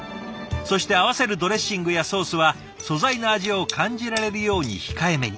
そして合わせるドレッシングやソースは素材の味を感じられるように控えめに。